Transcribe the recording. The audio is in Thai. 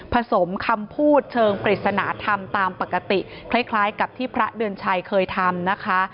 สมคำพูดเชิงปริศนธรรมตามปกติคล้ายกับที่พระเดือนชัยเคยทำนะคะ